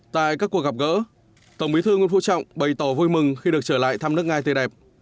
tại các cuộc gặp gỡ tổng bí thư nguyễn phú trọng bày tỏ vui mừng khi được trở lại thăm nước nga tươi đẹp